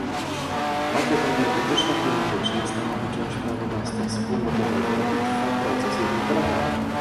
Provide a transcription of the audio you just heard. Pakiet energetyczno-klimatyczny stanowi część prawodawstwa wspólnotowego i trwa proces jego wdrażania